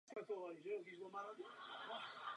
Je tedy nutno se v základě přizpůsobit.